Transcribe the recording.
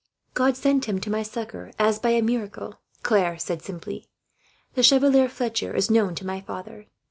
"God sent him to my succour, as by a miracle," Claire said simply. "The Chevalier Fletcher is known to my father.